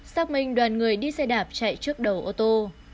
xác minh đoàn người đi xe đạp chạy trước đầu ô tô